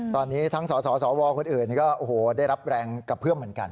ตอนนี้ทั้งสองสองวอร์คนอื่นก็ได้รับแรงกระเพื่อมเหมือนกัน